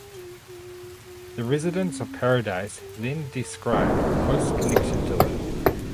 The residents of Paradise then described close connection to it.